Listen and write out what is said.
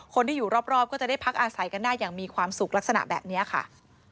คนที่อยู่รอบก็จะได้พักอาศัยกันได้อย่างมีความสุขลักษณะแบบนี้ค่ะ